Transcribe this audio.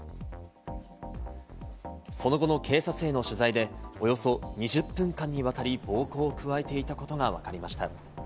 その後の警察への取材で、およそ２０分間にわたり暴行を加えていたことがわかりました。